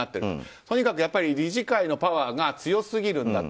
とにかく理事会のパワーが強すぎるんだと。